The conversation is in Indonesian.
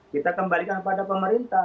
kita kembalikan kepada pemerintah